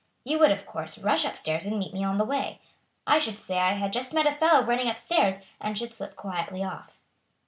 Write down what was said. You would, of course, rush up stairs and meet me on the way. I should say I had just met a fellow running up stairs, and should slip quietly off."